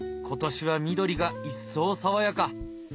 今年は緑が一層爽やか。